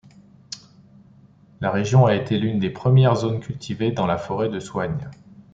La région a été l'une des premières zones cultivées dans la forêt de Soignes.